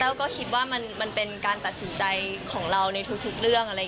แล้วก็คิดว่ามันเป็นการตัดสินใจของเราในทุกเรื่อง